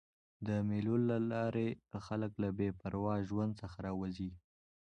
د مېلو له لاري خلک له بې پروا ژوند څخه راوځي.